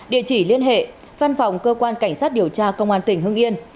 địa chỉ liên hệ văn phòng cơ quan cảnh sát điều tra công an tỉnh hưng yên